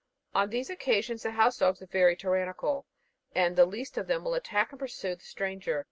On these occasions the house dogs are very tyrannical, and the least of them will attack and pursue the stranger.